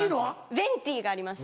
ヴェンティがあります